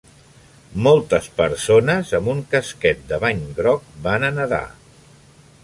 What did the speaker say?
Moltes persones amb un casquet de bany groc van a nadar.